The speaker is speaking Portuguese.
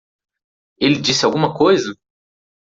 Ele disse alguma coisa?